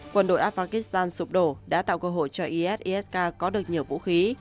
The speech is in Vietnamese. quân đội afghanistan sụp đổ đã tạo cơ hội cho is isk có được nhiều vũ khí